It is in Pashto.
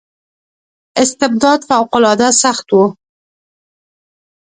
استبداد فوق العاده سخت و.